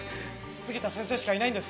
杉田先生しかいないんです！